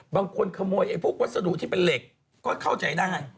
บางคนขโมยไอ้พวกวัสดุที่เป็นเหล็กก็เข้าใจได้